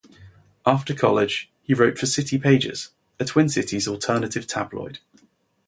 After college, he wrote for "City Pages", a Twin Cities alternative tabloid.